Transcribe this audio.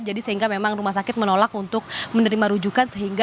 jadi sehingga memang rumah sakit menolak untuk menerima rujukan